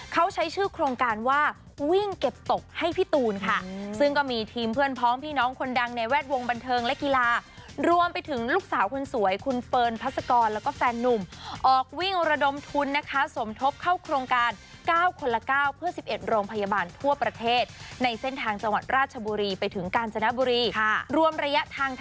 เขาใช้ชื่อโครงการว่าวิ่งเก็บตกให้พี่ตูนค่ะซึ่งก็มีทีมเพื่อนพร้อมพี่น้องคนดังในแวดวงบันเทิงและกีฬารวมไปถึงลูกสาวคนสวยคุณเฟิร์นพัศกรแล้วก็แฟนนุ่มออกวิ่งระดมทุนนะคะสมทบเข้าโครงการ๙คนละ๙เพื่อ๑๑โรงพยาบาลทั่วประเทศในเส้นทางจังหวัดราชบุรีไปถึงกาญจนบุรีค่ะ